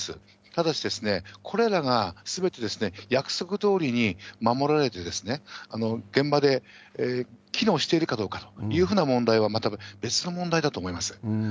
ただし、これらがすべて約束どおりに守られて、現場で機能しているかどうかというふうな問題は、また別の問題だと思います。